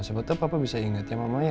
sebetulnya papa bisa ingat ya mama ya